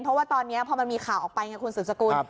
เพราะว่าตอนนี้พอมันมีข่าวออกไปไงคุณสุดสกุล